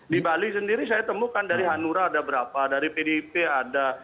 di bali sendiri saya temukan dari hanura ada berapa dari pdip ada